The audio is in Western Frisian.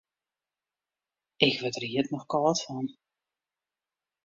Ik wurd der hjit noch kâld fan.